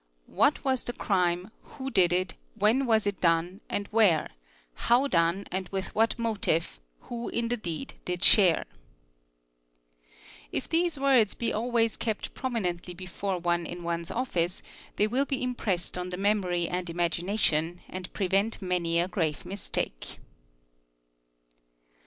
? 'What was the crime, who did it, when was it done, and where, How done, and with what motive, who in the deed did share ?"' a these words be always kept prominently before one in one's office, they will be impressed on the memory and imagination, and prevent many a grave mistake.